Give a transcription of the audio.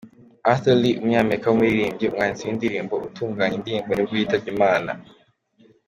Arthur Lee, umunyamerika w’umuririmbyi, umwanditsi w’indirimbo, utunganya indirimbo ni bwo yitabye Imana.